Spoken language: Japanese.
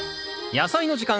「やさいの時間」